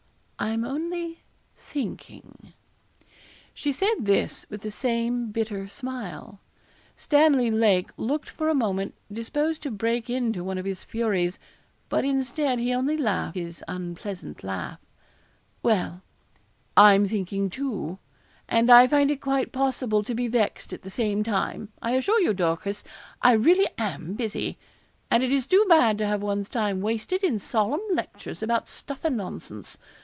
'I'm only thinking.' She said this with the same bitter smile. Stanley Lake looked for a moment disposed to break into one of his furies, but instead he only laughed his unpleasant laugh. 'Well, I'm thinking too, and I find it quite possible to be vexed at the same time. I assure you, Dorcas, I really am busy; and it is too bad to have one's time wasted in solemn lectures about stuff and nonsense.